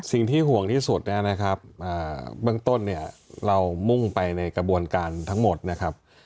สิ่งที่ห่วงที่สุดนะครับเบื้องต้นเนี่ยเรามุ่งไปในกระบวนการทั้งหมดนะครับ